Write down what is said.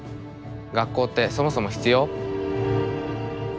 学校ってそもそも必要？